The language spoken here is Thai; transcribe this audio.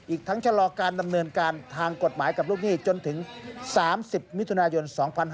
อีกทั้งชะลอการดำเนินการทางกฎหมายกับลูกหนี้จนถึง๓๐มิถุนายน๒๕๕๙